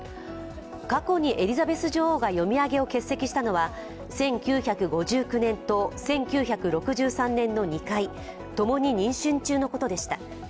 過去にエリザベス女王が読み上げを欠席したのは１９５９年と１９６３年の２回、ともに妊娠中のことでした。